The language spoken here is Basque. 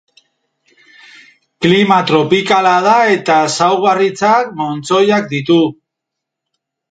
Klima tropikala da eta ezaugarritzat montzoiak ditu.